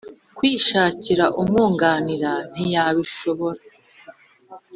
kwishakira umwunganira ntiyabishobora.